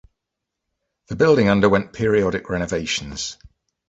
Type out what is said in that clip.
The building underwent periodic renovations.